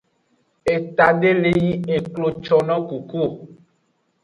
Eta de li yi eklo conno kuku o.